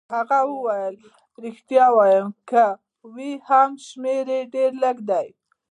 هغه وویل: ریښتیا وایم، که وي هم شمېر يې ډېر لږ دی.